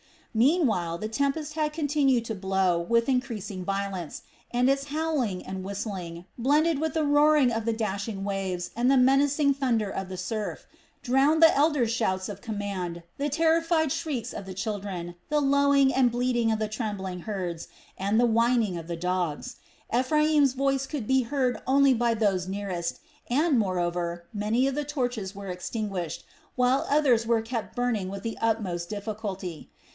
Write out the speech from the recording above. Meanwhile the tempest had continued to blow with increased violence, and its howling and whistling, blended with the roar of the dashing waves and the menacing thunder of the surf, drowned the elders' shouts of command, the terrified shrieks of the children, the lowing and bleating of the trembling herds, and the whining of the dogs. Ephraim's voice could be heard only by those nearest and, moreover, many of the torches were extinguished, while others were kept burning with the utmost difficulty.